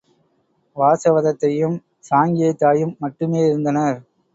வாசவதத்தையும் சாங்கியத் தாயும் மட்டுமே இருந்தனர்.